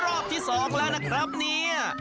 รอบที่๒แล้วนะครับเนี่ย